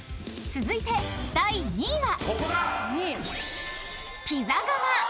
［続いて第３位は］